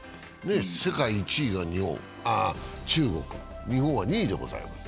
世界１位が中国、日本は２位でございます。